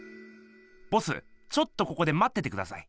ボスちょっとここでまっててください。